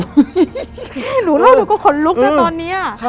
หูดูแล้วหนูก็ขนลุกนะตอนนี้